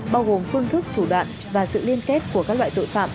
bao gồm phương thức thủ đoạn và sự liên kết của các loại tội phạm